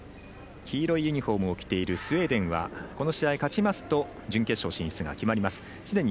黄色いユニフォームを着ているスウェーデンはこの試合、勝ちますと準決勝進出が決まります。